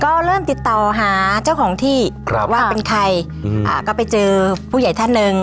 ก็เริ่มติดต่อหาเจ้าของที่ครับว่าเป็นใครอืมอ่าก็ไปเจอผู้ใหญ่ท่านหนึ่ง